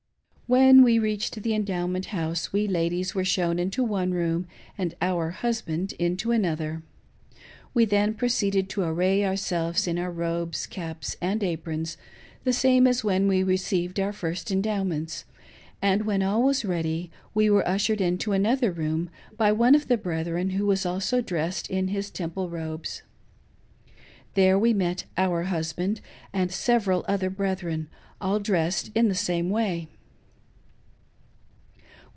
When we reached the Endowment House, we ladies were shown into one room and our husband into another. We then proceeded to array ourselves in our robes, caps, and aprons — the same as when we received our first Endowments — and when all was ready we were ushered into another room by one of the brethren, who was also dressed in his Temple robes. There we met our husband and several other brethren, all dressed in the saaie way.